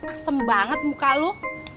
asem banget muka lo